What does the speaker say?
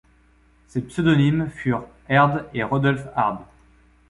Ses pseudonymes furent Haerd et Rudolf Hard.